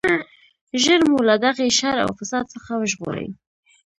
ژر مو له دغه شر او فساد څخه وژغورئ.